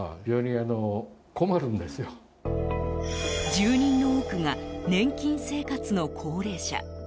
住人の多くが年金生活の高齢者。